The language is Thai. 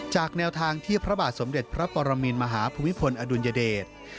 แนวทางที่พระบาทสมเด็จพระปรมินมหาภูมิพลอดุลยเดช